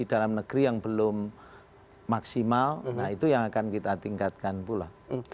dalam negeri yang belum maksimal nah itu yang akan kita tingkatkan pula